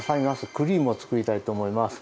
クリームを作りたいと思います。